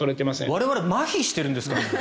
我々まひしてるんですか？